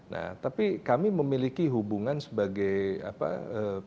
nah tapi kami memiliki hubungan sebagai apa